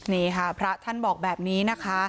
นี่ค่ะพระท่านบอกแบบนี้นะคะ